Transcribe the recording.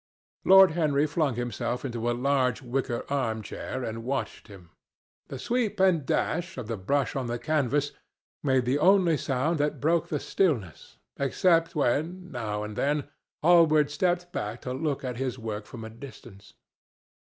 Lord Henry flung himself into a large wicker arm chair and watched him. The sweep and dash of the brush on the canvas made the only sound that broke the stillness, except when, now and then, Hallward stepped back to look at his work from a distance.